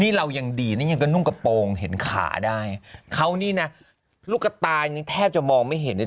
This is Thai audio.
นี่เรายังดีนะยังกระนุ่งกระโปรงเห็นขาได้เขานี่นะลูกกระตานี่แทบจะมองไม่เห็นเลย